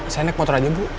saya naik motor aja bu